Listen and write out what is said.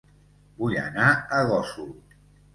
Vull anar a Gósol